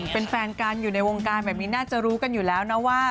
เป็นแฟนกันอยู่ในวงการแบบนี้น่าจะรู้กันอยู่แล้วนะว่า